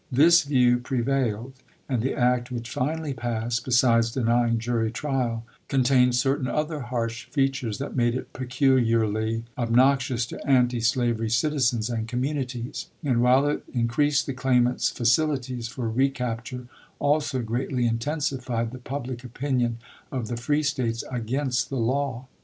This view pre vailed, and the act which finally passed, besides denying jury trial, contained certain other harsh features that made it peculiarly obnoxious to anti slavery citizens and communities; and while it increased the claimant's facilities for recapture, also greatly intensified the public opinion of the free States against the law.